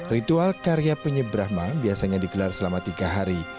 ritual karya penyep brahma biasanya digelar selama tiga hari